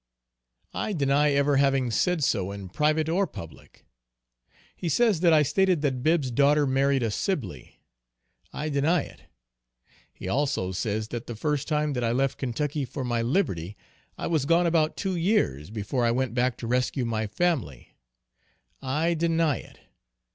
I deny ever having said so in private or public. He says that I stated that Bibb's daughter married a Sibley. I deny it. He also says that the first time that I left Kentucky for my liberty, I was gone about two years, before I went back to rescue my family. I deny it.